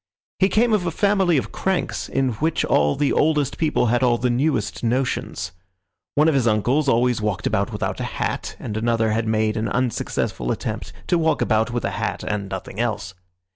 He came of a family of cranks, in which all the oldest people had all the newest notions. One of his uncles always walked about without a hat, and another had made an unsuccessful attempt to walk about with a hat and nothing else.